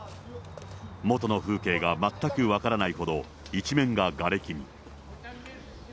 元の風景が全く分からないほど、一面ががれきに。